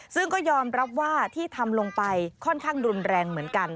ซึ่งก็ยอมรับว่าที่ทำลงไปค่อนข้างรุนแรงเหมือนกัน